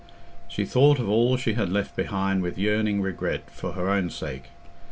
She thought of all she had left behind with yearning regret for her own sake.